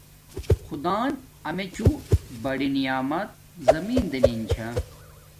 خدان امیچوں بڑی نعمیت زمین دنین چھا